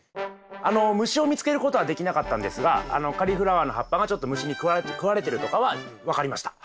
あの虫を見つけることはできなかったんですがカリフラワーの葉っぱがちょっと虫に食われてるとかは分かりました。